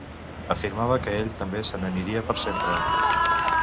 Afirmava que ell també se n’aniria per sempre.